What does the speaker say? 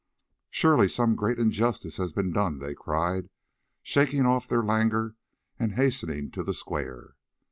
"Surely some great injustice has been done," they cried, shaking off their languor and hastening to the square.